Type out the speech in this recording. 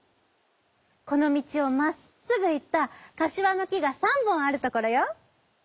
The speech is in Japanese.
「このみちをまっすぐいったかしわのきが３ぼんあるところよ」。